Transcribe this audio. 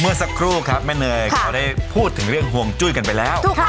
เมื่อสักครู่ครับแม่เนยเขาได้พูดถึงเรื่องห่วงจุ้ยกันไปแล้ว